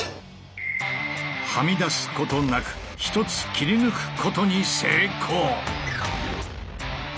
はみ出すことなく１つ切り抜くことに成功！